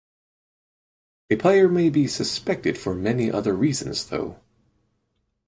A player may be suspected for many other reasons though.